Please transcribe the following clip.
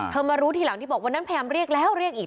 มารู้ทีหลังที่บอกวันนั้นพยายามเรียกแล้วเรียกอีก